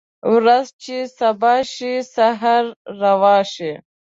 ورځ چې سبا شي سحر روا شي